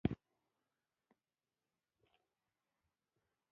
نور ستر سوداګریز بندرونه له دغه ډول سوداګرو ډک و.